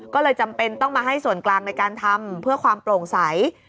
ก็เลยจำเป็นต้องมาให้ส่วนกลางในการทำเพื่อความโปร่งใส